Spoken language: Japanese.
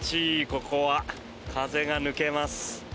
ここは風が抜けます。